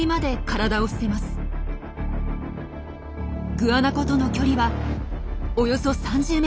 グアナコとの距離はおよそ３０ｍ。